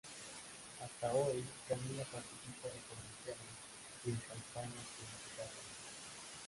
Hasta hoy, Camila participa de comerciales y en campañas publicitarias.